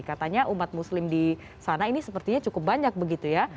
katanya umat muslim di sana ini sepertinya cukup banyak begitu ya